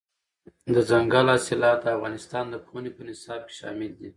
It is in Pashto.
دځنګل حاصلات د افغانستان د پوهنې په نصاب کې شامل دي.